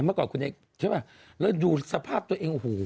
แล้วดูสภาพตัวเอง